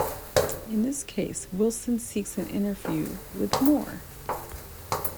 In this case, Wilson seeks an interview with Moore.